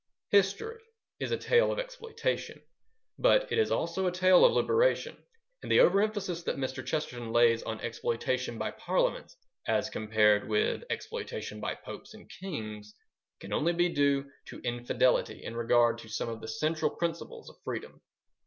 History is a tale of exploitation, but it is also a tale of liberation, and the over emphasis that Mr. Chesterton lays on exploitation by Parliaments as compared with exploitation by Popes and Kings, can only be due to infidelity in regard to some of the central principles of freedom.